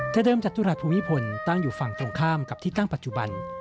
แต่เดิมจตุรัสภูมิพลตั้งอยู่ฝั่งตรงข้ามกับที่ตั้งปัจจุบัน